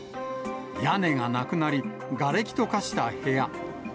屋根がなくなり、がれきと化した部屋。